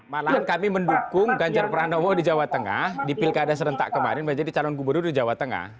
malahan kami mendukung ganjar pranowo di jawa tengah di pilkada serentak kemarin menjadi calon gubernur di jawa tengah